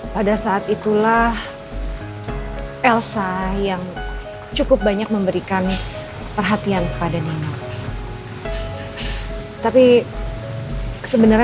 pada saat itulah elsa yang cukup banyak memberikan perhatian pada nino tapi sebenarnya